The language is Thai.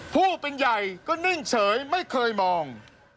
ผู้เป็นใหญ่ก็นิ่งเฉยไม่เคยมอง